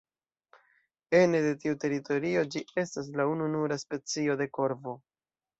Ene de tiu teritorio ĝi estas la ununura specio de korvo.